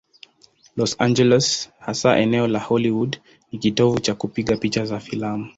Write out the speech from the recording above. Los Angeles, hasa eneo la Hollywood, ni kitovu cha kupiga picha za filamu.